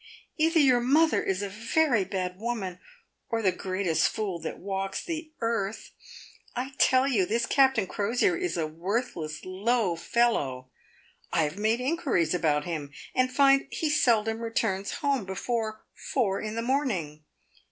either your mother is a very bad woman, or the greatest fool that walks the earth. I tell you this Captain Crosier is a worthless, low fellow. I have made inquiries about him, and find he seldom returns home before four in the morning.